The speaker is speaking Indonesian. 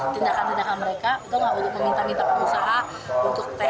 tindakan tindakan mereka itu nggak untuk meminta minta pengusaha untuk th